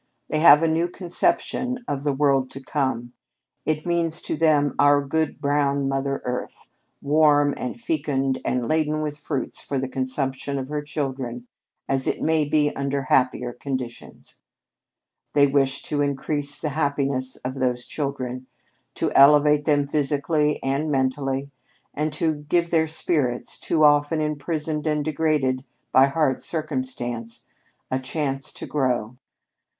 They have a new conception of 'the world to come.' It means to them our good brown Mother Earth, warm and fecund and laden with fruits for the consumption of her children as it may be under happier conditions. They wish to increase the happiness of those children, to elevate them physically and mentally, and to give their spirits, too often imprisoned and degraded by hard circumstance, a chance to grow.